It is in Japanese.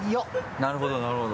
なるほどなるほど。